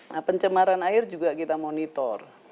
nah pencemaran air juga kita monitor